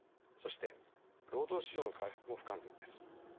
そして労働市場の回復も不完全です。